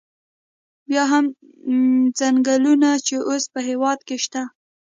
بیا هم څنګلونه چې اوس په هېواد کې شته.